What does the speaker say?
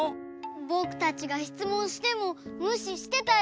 ぼくたちがしつもんしてもむししてたよ。